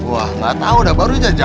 wah gak tahu udah baru aja